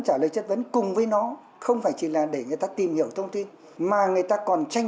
trả lời chất vấn cùng với nó không phải chỉ là để người ta tìm hiểu thông tin mà người ta còn tranh